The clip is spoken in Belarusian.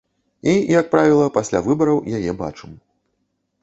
І, як правіла, пасля выбараў яе бачым.